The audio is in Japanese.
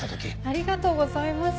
ありがとうございます。